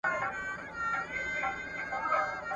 لوستي ښځي تر نالوستو ښځو ډېر فرصتونه لري.